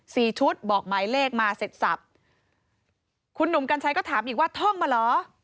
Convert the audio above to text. ชุดบอกหมายเลขมาเสร็จสับคุณหนุ่มกัญชัยก็ถามอีกว่าท่องมาเหรอ